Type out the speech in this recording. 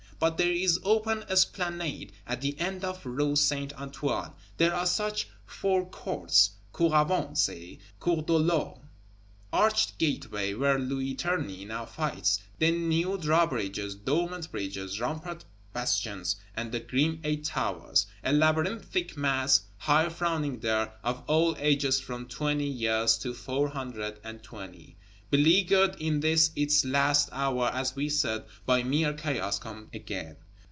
But there is open Esplanade at the end of the Rue Saint Antoine; there are such Forecourts (Cour Avancé), Cour de l'Orme, arched gateway (where Louis Tournay now fights); then new drawbridges, dormant bridges, rampart bastions, and the grim Eight Towers: a labyrinthic Mass, high frowning there, of all ages from twenty years to four hundred and twenty; beleaguered, in this its last hour, as we said, by mere Chaos come again!